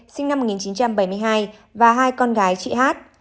sinh năm một nghìn chín trăm bảy mươi hai và hai con gái chị hát